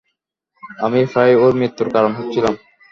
আমি প্রায় ওর মৃত্যুর কারণ হচ্ছিলাম।